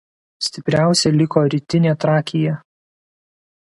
Stipriausia liko rytinė Trakija.